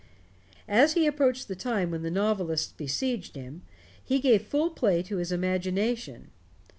As he approached the time when the novelists besieged him, he gave full play to his imagination.